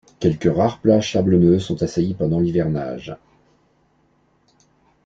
Quelques rares plages sablonneuses sont assaillies pendant l’hivernage.